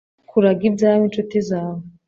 kuraga ibyawe incuti zawe